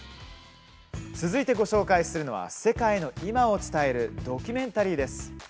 続いてご紹介するのは世界の今を伝えるドキュメンタリーです。